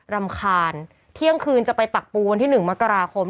รำคาญเที่ยงคืนจะไปตักปูวันที่๑มกราคม